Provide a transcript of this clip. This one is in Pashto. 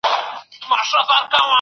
زما پۀ زړۀ باندې د تورو ګزارونه كېدل